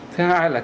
thứ hai là